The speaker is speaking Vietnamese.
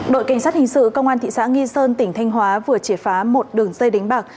đội cảnh sát hình sự công an thị xã nghi sơn tỉnh thanh hóa vừa triệt phá một đường dây đánh bạc